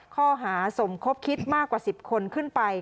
ข้อหาสมคบคิดมากกว่า๑๐คนขึ้นไป